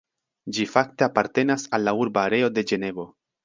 Ĝi fakte apartenas al la urba areo de Ĝenevo.